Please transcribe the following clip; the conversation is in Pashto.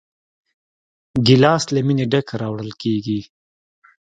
ګیلاس له مینې ډک راوړل کېږي.